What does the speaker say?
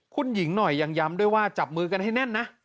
คุณหญิงหน่อยยังย้ำด้วยว่าจับมือกันให้แน่นนะ